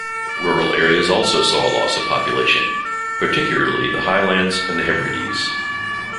Rural areas also saw a loss of population, particularly the Highlands and Hebrides.